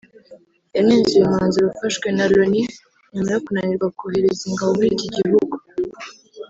yanenze uyu mwanzuro ufashwe na Loni nyuma yo kunanirwa kohereza ingabo muri iki gihugu